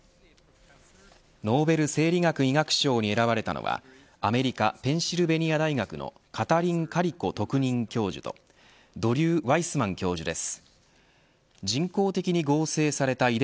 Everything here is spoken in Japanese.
ノーベル生理学・医学賞に選ばれたのはアメリカ・ペンシルベニア大学のカタリン・カリコ特任教授とドリュー・ワイスマン教授です。